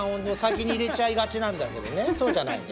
そうじゃないのね。